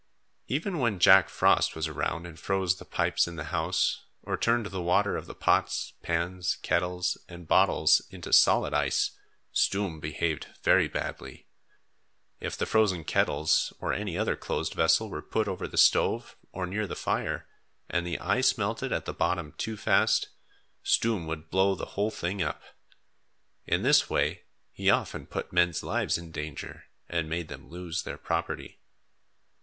Even when Jack Frost was around and froze the pipes in the house, or turned the water of the pots, pans, kettles and bottles into solid ice, Stoom behaved very badly. If the frozen kettles, or any other closed vessel were put over the stove, or near the fire, and the ice melted at the bottom too fast, Stoom would blow the whole thing up. In this way, he often put men's lives in danger and made them lose their property.